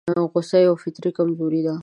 غوسه يوه فطري کمزوري ده.